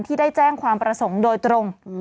ที่ได้แจ้งความประสงค์โดยตรง